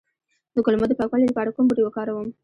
د کولمو د پاکوالي لپاره کوم بوټی وکاروم؟